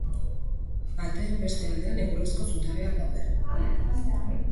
Ateen beste aldean egurrezko zutabeak daude.